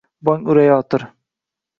Bong urayotir…